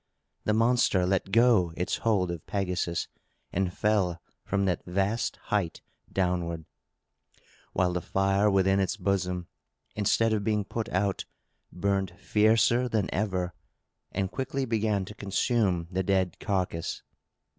The monster let go its hold of Pegasus, and fell from that vast height downward; while the fire within its bosom, instead of being put out, burned fiercer than ever, and quickly began to consume the dead carcass.